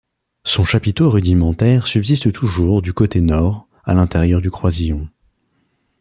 Son chapiteau rudimentaire subsiste toujours du côté nord, à l'intérieur du croisillon.